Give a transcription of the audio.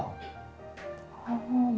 berarti kita berdua juga sama dong